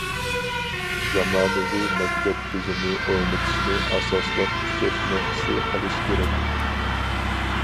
زامانىۋى مەكتەپ تۈزۈمى ئورنىتىشنى ئاساسلىق كۈچەش نۇقتىسى قىلىش كېرەك.